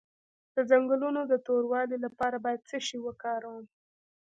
د څنګلو د توروالي لپاره باید څه شی وکاروم؟